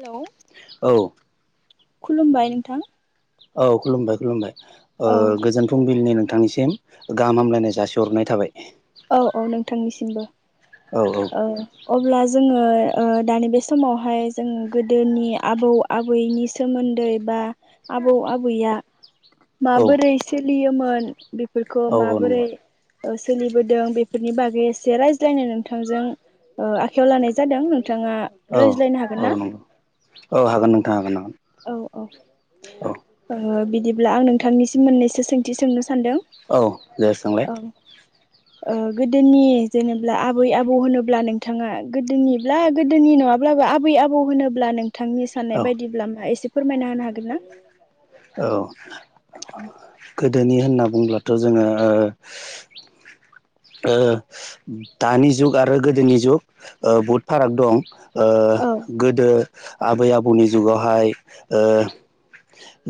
हेल' औ खुलुमबाय नोंथां औ खुलुमबाय खुलुमबाय ओ औ गोजोन फुंबिलिनि नोंथांनिसिम गाहाम हामलायनाय जासिहरनाय थाबाय औ औ नोंथांनिसिमबो औ औ ओ अब्ला जोङो ओ दानि बे समावहाय जों गोदोनि आबौ आबैनि सोमोन्दै बा आबौ आबैया औ माबोरै सोलियोमोन बेफोरखौ औ औ माबोरै नंगौ ओ सोलिबोदों बेफोरनि बागै एसे रायज्लायनो नोंथांजों ओ आखायाव लानाय जादों नोंथाङा औ रायज्लायनो हागोन औ ना? नंगौ औ हागोन नोंथां हागोन हागोन औ औ औ ओ बिदिब्ला आं नोंथांनिसिम मोननैसो सोंथि सोंनो सानदों औ दे सोंलाय औ ओ गोदोनि जेनेब्ला आबै आबौ होनोब्ला नोंथाङा गोदोनि ब्ला गोदोनि नङाब्लाबो आबै आबौ होनोब्ला नोंथांनि औ साननाय बायदिब्ला मा एसे फोरमायना होनो हागोन ना? औ [unintelligible] गोदोनि होनना बुंब्लाथ' जोङो ओ दानि जुग आरो गोदोनि जुग बहुद फाराग दं ओ औ गोदो आबै आबौनि जुगावहाय ओ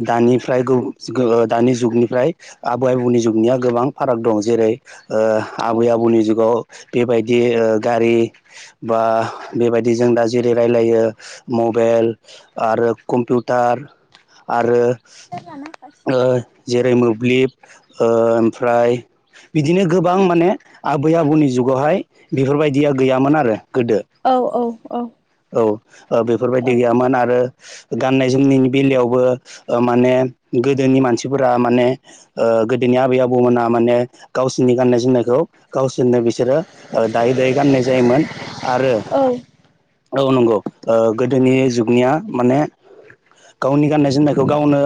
दानिफ्राय गो-गोहो दानि जुगनिफ्राय आबै आबौनि जुगनिया गोबां फाराग दं जेरै ओ औ आबै आबौनि जुगाव बेबायदि ओ गारि बा बेबायदि जों दा जेरै रायलायो मबेल आरो कम्पिउटार आरो जाना फसि ओ [unintelligible] जेरै मोब्लिब ओ ओमफ्राय बिदिनो गोबां माने आबै आबौनि जुगावहाय बेफोरबायदिया गैयामोन आरो गोदो औ औ औ औ ओ बेफोरबायदि गैयामोन आरो गाननाय जोमनायनि बेलायावबो ओ माने गोदोनि मानसिफोरा माने ओ गोदोनि आबै आबौमोनहा माने गावसोरनि गाननाय जोमनायखौ गावसोरनो बिसोरो ओ दायै दायै गाननाय जायोमोन आरो औ नंगौ ओ गोदोनि जुगनिया माने गावनि गाननाय जोमनायखौ गावनो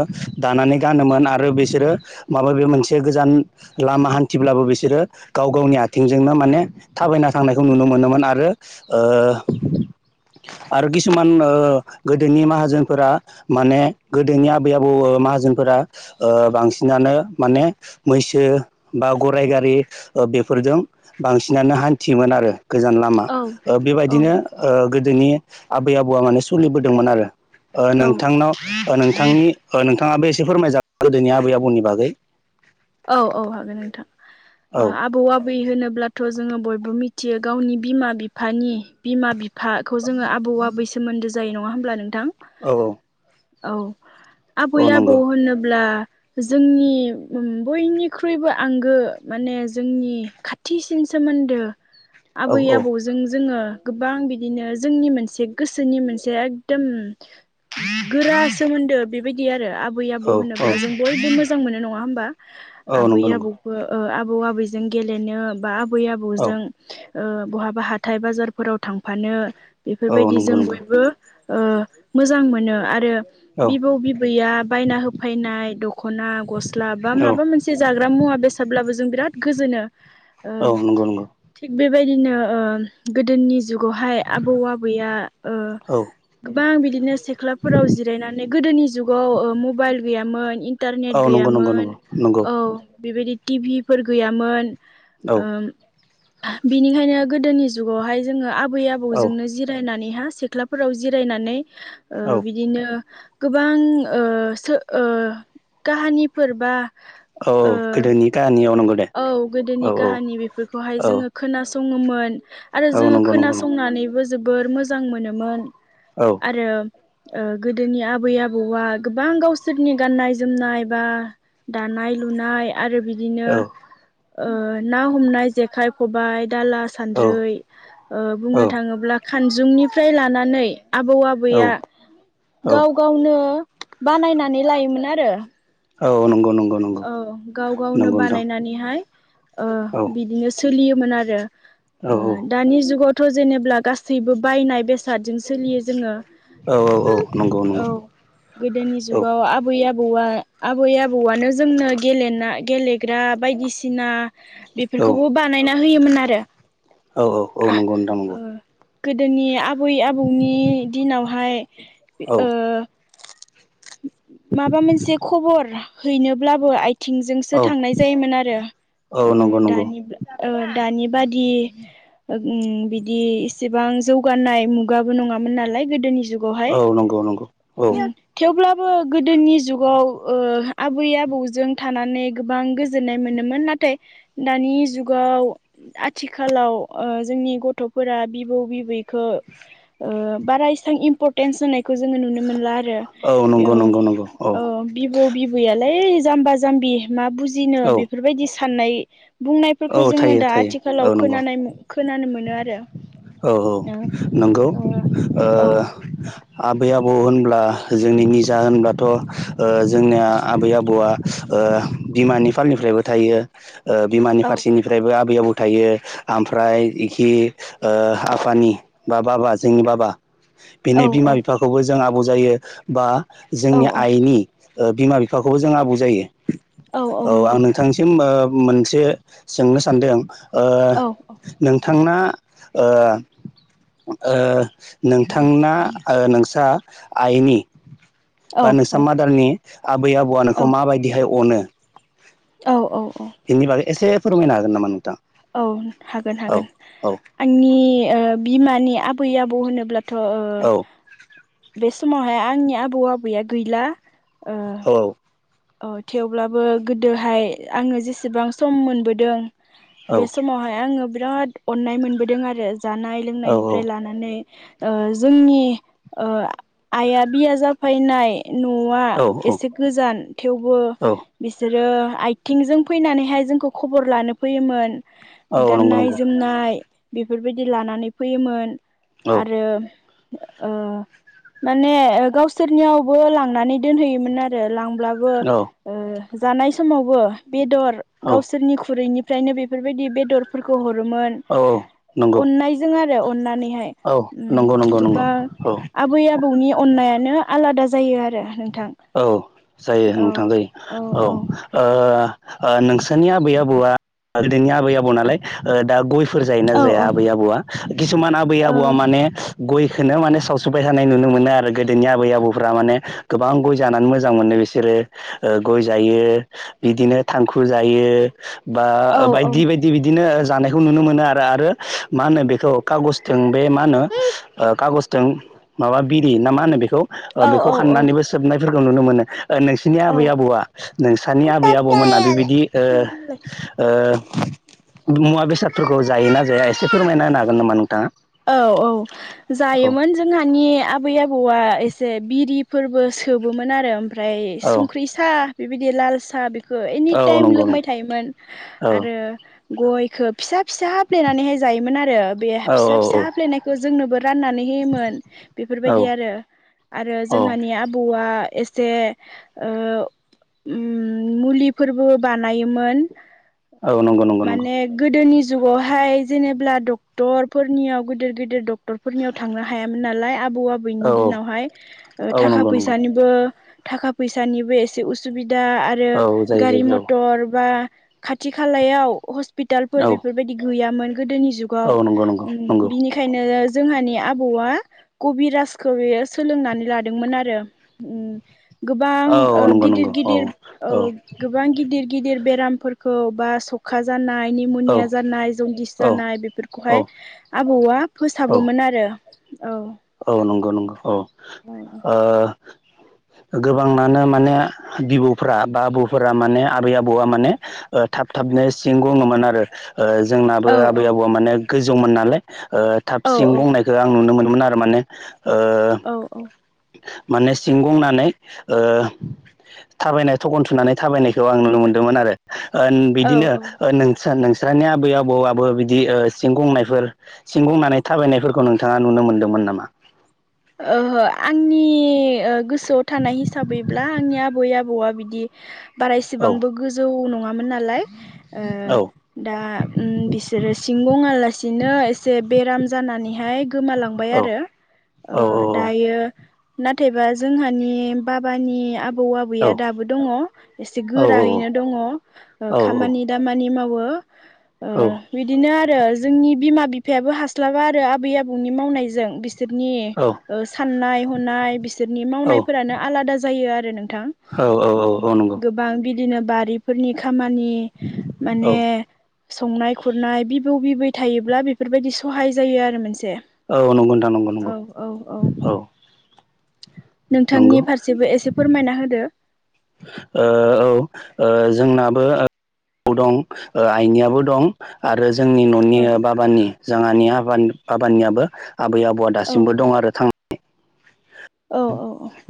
दानानै गानोमोन आरो बिसोरो माबा बे मोनसे गोजान लामा हान्थिब्लाबो बिसोरो गाव गावनि आथिंजोंनो माने थाबायना थांनायखौ नुनो मोनोमोन आरो ओ आरो किसुमान ओ गोदोनि माहाजोनफोरा माने गोदोनि आबै आबौ ओ माहाजोनफोरा ओ बांसिनानो माने मैसो बा गराय गारि ओ बेफोरजों बांसिनानो हान्थियोमोन आरो गोजान ला मा ओ बेबायदिनो ओ गोदोनि आबै आबौआ माने सोलिबोदोंमोन आरो। ओ औ नोंथांनाव ओ नोंथांनि ओ नोंथाङाबो एसे फोरमायजागोन गोदोनि आबै आबौनि बागै औ औ हागोन नोंथां औ ओ आबौ आ बै होनोब्लाथ' जोङो बयबो मिथियो गावनि बिमा बिफानि बिमा बि फाखौ जोङो आबौ आबै सोमोन्दो जायो नङा होमब्ला नोंथां? औ औ औ आबै औ आबौ नंगौ होनोब्ला जोंनि उम बयनिख्रुइबो आंगो माने जोंनि खाथिसिन सोमोन्दो औ आबै औ आबौ जो जों जोङो गोबां बिदिनो जोंनि मोनसे गोसोनि मोनसे एकदम गोरा सोमोन्दो बेबायदि आरो आबै आबौ औ होनोब्ला जों औ बयबो मोजां मोनो नङा होमबा? औ आबै नंगौ नंगौ आबौ बो ओ आबौ आबैजों गेलेनो बा आबै औ आबौजों ओ बहाबा हाथाय बाजारफोराव थांफानो औ बेफोरबायदि नंगौ जों नंगौ बयबो ओ मोजां मोनो आरो औ बिबौ बिबैआ बायना होफैनाय दख'ना गस्ला बा औ माबा मोनसे जाग्रा मुवा बेसादब्लाबो जों बिराद गोजोनो ओ औ नंगौ नंगौ थिग बेबायदिनो ओ गोदोनि जुगावहाय आबौ आबैया ओ औ गोबां बिदिनो सिथ्लाफोराव जिरायनानै गोदोनि जुगाव ओ मबाइल गैयामोन इन टारनेट औ नंगौ नंगौ गैयामोन नंगौ नंगौ औ बेबायदि टिभि फोर गैयामोन औ ओ बिनिखायनो गोदोनि जुगावहाय जोङो आबै औ आबौजोंनो जिरायनानैहा सिथ्ला फ्राव जिरायनानै ओ औ बि दिनो गोबां ओ सो ओ काहानिफोर बा औ ओ गोदोनि काहानियाव नंगौ दे औ औ गोदोनि औ काहानि बेफोरखौहाय औ जोङो खोनासङोमोन आरो औ जोङो नंगौ नंगौ नंगौ खोनासंनानैबो जोबोर मोजां मोनोमोन औ आरो ओ गोदोनि आबै-आबौआ गोबां गावसोरनि गाननाय जोमनाय बा दानाय लुनाय आरो बिदिनो औ ओ ना हमनाय जेखाइ खबाय दाला सान्द्रै ओ बुंनो औ थाङोब्ला खानजुंनिफ्राय लानानै आबौ-आबैया औ गाव गावनो बानायनानै लायोमोन आरो। औ नोंगौ नोंगौ नं औ गाव गावनो बानायनानैहाय ओ औ बिदिनो सोलियोमोन आरो औ ओ औ दानि जुगावथ' जेनेब्ला गासैबो बायनाय बेसादजों सोलियो जोङो औ औ नंगौ औ नंगौ गोदोनि औ जुगाव आबै आ औआ आबै-आबौआनो जोंनो गेलेना गेलेग्रा बायदिसिना। औ बेफोरखौबो बानायना होयोमोन आरो। औ औ औ नगौ नथां नंगौ। ओ गोदोनि आबै-आबौनि दिनावहाय औ ओ माबा मोनसे खबर हैनोब्लाबो आय थिंजोंसो औ थांनाय जायोमोन आरो ओ औ नंगौ नंगौ दानि ओ दानि बादि ओ उम बिदि एसेबां जौगानाय मुगाबो नङामोन नालाय गोदोनि जुग गावहाय औ नंगौ नंगौ औ उम थेवब्लाबो गोदोनि जुगाव ओ आबै आ बौजों थानानै गोबां गोजोननाय मोनोमोन नाथाय दानि जुगाव। आथिखालाव ओ जोंनि गथ'फोरा बिबौ-बिबैखो। ओ बारा इसबां इम्परटेन्स होनायखौ जोङो नुनो मोनला आरो। औ नंगौ-नंगौ-नंगौ औ। बिबौ-बिबैयालाय जाम्बा-जाम्बि मा बुजिनो औ बेफोरबायदि साननाय। औ बुंनायफोरखौ जोङो थायो दा थायो औ आथिखालाव खोनानाय खोनानो मोनो आरो। औ-औ नंगौ ओ औ आबै-आबौ होनब्ला जोंनि निजा होनब्लाथ' ओ जोंनिया आबै-आबौआ ओ बिमानि फालनिफ्रायबो थायो ओ बि औ फारसेनिफ्रायबो आबै-आबौ थायो ओमफ्राय इखि ओ आफानि बा-बाबा जोंनि बाबा। औ बेनि बिमा बिफाखौबो जों आबौ जायो बा औ जोंनि औ आइनि ओ बिमा-बिफाखौबो जों आबौ जायो औ आं नोंथांनिसिम ओ मोनसे सोंनो सानदों ओ औ नोंथां ना ओ ओ नोंथांना ओ नोंस्रा आइनि बा औ नोंसा मादारनि आबै-आबौआ नोंखौ माबायदिहाय अनो? औ-औ-औ। बेनि बागै एसे फोरमायनोहागोन नामा नोंथां? औ औ हागोन-हागोन औ आंनि ओ बिमानि आबै आबौ होनोब्ला थ'ओ औ बे समावहाय आंनि आबौ-आबैया गैला ओ औ। औ थेवब्लाबो गोदोहाय आङो जेसेबां सम मोनबोदों। औ बे समावहाय आङो बिराद अन्नाय मोनबोदों आरो जानाय औ लोंनायनिफ्राय लाना नै ओ जोंनि ओ आइया बिया जाफैनाय। न'आ एसे औ गोजान थेवबो बिसोरो आयथिंजों फैनानैहाय जोंखौ खबर लानो फैयोमोन। औ नंगौ गाननाय नंगौ जोमनाय बेफोरबायदि लानानै फैयोमोन। औ आरो ओ माने गावसोरनियावबो लांनानै दोनहैयोमोन आरो लांब्ला बो औ ओ जानाय समावबो बेदर औ गावसोरनि खुरैनि फ्रायनो बेफोरबायदि बेदरफोरखौ हरोमोन औ नंगौ अननायजों आरो अननानैहाय। औ नंगौ नंगौ नंगौ गोबां औ आबै आबौनि अन्नायानो आलादा जायो आरो नोंथां। औ जायो औ नोंथां औ। ओ ओ नोंसोरनि आबै आबौआ गोदोनि आबै आबौ नालाय दा गय फोर जायोना औ जाया आबै आबौआ किसुमान आबै आबौआ माने‌ गयखौनो माने सावसाय थानायानाय नुनो मोनो आरो गोदोनि आबै आबौफ्रा माने गोबां गय जानानै मोजां मोनो बिसोरो ओ गय जायो बिदिनो थांखु जायो। बा ओ बायदि-बाय बि-बिदिनो जानायखौ नुनो मोनो आरो-आरो मा होनो बेखौ खागजजों बे मा होनो ओ खागजजों माबा बिरि ना मा होनो बेखौ? ओ औ बेखौ औ औ खाननानैबो सोबनायफोरखौ नुनो मोनो ओ नोंसि नि औ आबै-आबौआ नोंसानि आबै-आबौमोनहा बेयाव बेबायदि ओ दोनलाय ओ मुवा बेसादफोरखौ जायोना जाया एसे फोरमायना होनो हागोन नामा नोंथाङा? औ औ औ जायोमोन। जोंहानि आबै आबौआ एसे बिरि फोरबो सोबोमोन आरो ओमफ्राय औ संख्रि सा बिबायदि लाल सा बेखौ औ एनिटाइम नंगौ नंगौ लोंबाय थायोमोन औ आरो गयखौ फिसा फिसा हफ्लेनानैहाय जायोमोन आरो बे औ फिसा फिसा हाफ्लेनायखौ जोंनोबो राननानै होयोमोन औ बेफोरबायदि आरो। आरो औ जोंहानि आबौआ एस जे मुलिफोरबो बानायोमोन। औ नंगौ नंगौ नंगौ माने गोदोनि जुगावहाय जेनेब्ला डक्टर फोरनियाव गिदिर गिदिर डक्टरफोरनियाव थांनो हायामोन नालाय आबौ आ बैनि औ दिनावहाय औ थाखा नंगौ नंगौ फैसानि निबो‌ थाखा फैसानिबो एसे उसुबिदा आर औ रो जायो गारि जायो मथर बा खाथि खालायाव हस पिटालफोर औ औ बेफोरबायदि गैयामोन गोदोनि जुग औ नंगौ नंगौ नंगौ। बेनिखायनो जोंहानि आबौआ कबिराजखौ बेयो सोलोंनानै लादोंमोन आरो। गोबां ओ औ नंगौ गिदिर नंगौ औ गिदिर ओ औ गो बां गिदिर गिदिर बेरामफोरखौ बा स खा जानाय औ निम'निया जानाय जन्दिस औ जानाय औ बेफोरखौहाय आबौआ औ फोसाबोमोन आरो औ औ नंगौ नंगौ औ गोबाङानो माने बिबौफ्रा बा आबौफोरा माने आबै आबौआ माने ओ थाब थाबनो सिं गुङोमोन आरो ओ जोंनाबो औ आबै आबौआ माने गोजौमोन नालाय ओ औ थाबसिन बुंनायखौ आं नुनो मोन माने ओ औ औ। माने सिंं गंनानै थाबायनाय थखन थुनानै थाबायनायखौ आं नुनो मोनदोंमोन आरो ओ औ बिदिनो औ नों नोस्रा नोंस्रानि आबै आबौ आबौ बिदि सिं गंनायफोर सिं गंनानै थाबायनायफोरखौ नोंथाङा नुनो मोनदोंमोन नामा? ओहो आंनि गोसोआव थानाय हिसाबैब्ला आंनि आबै आबौआ बिदि औ बारायसेबांबो गोजौ नङामोन नालाय ओ औ दा ओम बिसोरो सिं गङालासिनो एसे बेराम जानानैहाय गोमालां बाय औ आरो औ ओम दायो नाथायबा जोंहानि बाबानि आबौ औ आबैया दाबो दङ एसे औ गोरैनो दङ औ खामानि दामानि मावो। ओ औ बिदिनो आरो जोंनि बिमा बिफायाबो हास्लाबा आरो आबै आबौनि मावनायजों। बिसोरनि औ ओ साननाय हनाय बिसोरनि औ मावनायफोरानो आलादा जायो आरो नोंथां। औ औ उम औ नंगौ गोबां बिदिनो बारिफोरनि खामानि औ माने संनाय खुरनाय बिबौ बिबै थायोब्ला बेफोरबायदि सहाय जायो आरो मोनसे। औ नंगौ नोंथां नंगौ नंगौ। औ औ औ नंगौ नोंथांनि फारसेबो एसे फोरमायना होदो। ओ औ जोंनाबो आबौ दं आइनियाबो दं। आरो जोंनि न'नि औ बाबानि जोंहानि आबानि बाबानियाबो आबै आबौआ औ दासिमबो दं आरो। थां औ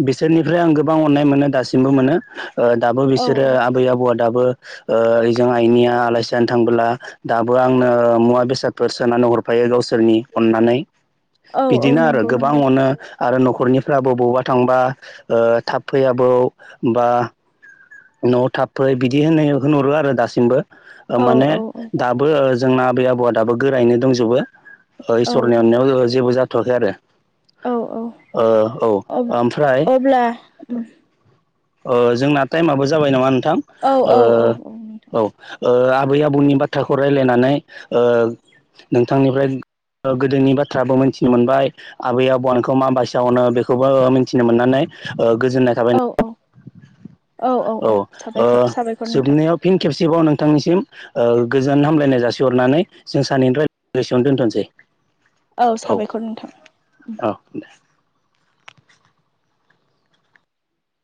बिसोरनिफ्राय आं गोबां अननाय मोनो दासिमबो मोनो। ओ दाबो औ बिसोरो आबै आबौआ दाबो ओ जोंहा आइनिया आलासि जानो थांबोला दाबो आंनो मुवा बेसादफोर सोनानै हरफायो गावसोरनि अननानै। औ औ बिदिनो आरो नंगौ गोबां नंगौ अ'नो आरो न'खरनिफ्राबो बबावबा थांबा ओ थाब फै आबौ बा न'आव थाब फै बिदि होनो होनहरो आरो दासिमबो। ओ औ माने औ दा बो जोंना आबै आबौआ दाबो गोरायैनो दंजोबो। ओ औ इसोरनि अननायाव जेबो जाथ'वाखै आरो। औ औ ओ औ ओमफ्राय अब्ला उम ओ जोंना टायमाबो जाबाय नामा नोंथां औ ओ औ औ नोंथां औ। ओ आबै आबौनि बाथ्राखौ रायज्लायनानै ओ नोंथांनिफ्राय ओ गोदोनि बाथ्राबो मिथिनो मोनबाय‌। आबै आबौआ नोंखौ मा बायसा अनो बेखौबो मिन्थिनो मोननानै ओ गोजोननाय थाब औ औ औ औ औ ओ साबायखर साबायखर नोंथां। जोबनायाव फिन खेबसेबाव नोंथांनिसिम ओ गोजोन हामलायनाय जासिहरनानै जों सानैनि रायलायनायखौ एसेयावनो दोनथ'सै। औ साबायखर नोंथां। औ दे